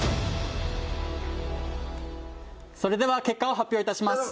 それでは結果を発表いたします。